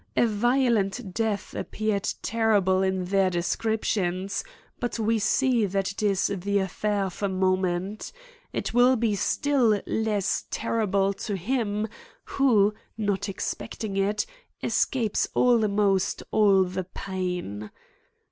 A violent death ap * peared terrible in their descriptions, but we see * that it is the aifair of a moment. It will be still * less terrible to him who, not expecting it, es * capes almost all the pain.'